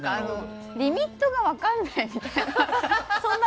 リミットが分からないみたいな。